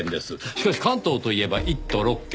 しかし関東といえば１都６県。